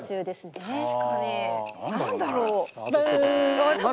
何だろうね。